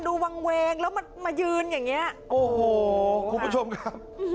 วางเวงแล้วมายืนอย่างเงี้ยโอ้โหคุณผู้ชมครับ